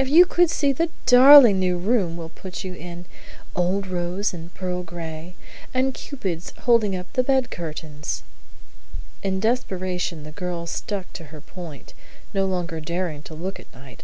If you could see the darling new room we'll put you in: old rose and pearl gray, and Cupids holding up the bed curtains!" In desperation the girl stuck to her point, no longer daring to look at Knight.